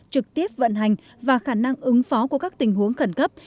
trực tiếp vận hành và khả năng ứng phó của các tình huống khẩn cấp